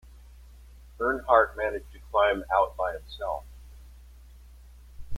Earnhardt managed to climb out by himself.